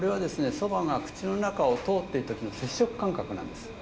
蕎麦が口の中を通ってる時の接触感覚なんです。